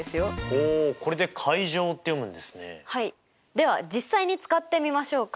では実際に使ってみましょうか。